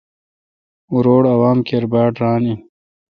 او روڑ عوام کیر بان این۔